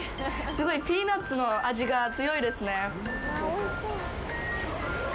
すごいピーナッツの味が強いですね。